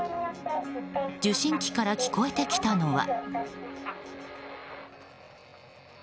受信機から聞こえてきたのは。